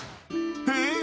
えっ？